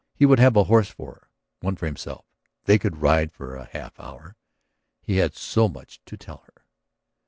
He would have a horse for her, one for himself; they could ride for a half hour. He had so much to tell her.